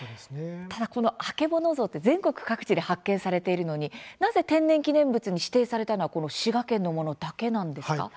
ただこのアケボノゾウ全国各地で発見されているのになぜ天然記念物に指定されたのは滋賀県だけのものだけなんですか。